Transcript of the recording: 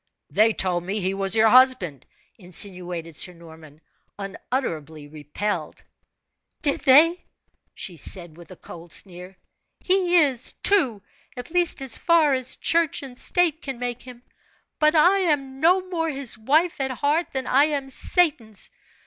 "They told me he was your husband," insinuated Sir Norman, unutterably repelled. "Did they?" she said, with a cold sneer, "he is, too at least as far as church and state can make him; but I am no more his wife at heart than I am Satan's.